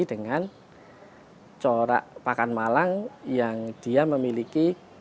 dengan corak pakan malang yang dia memiliki